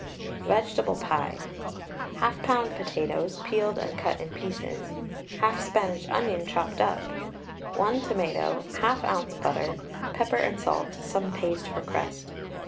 VEGETABLE PIE. 1/2 lb. potatoes, peeled and cut in pieces, 1/2 Spanish onion chopped up, 1 tomato, 1/2 oz. butter, pepper and salt, some paste for crust.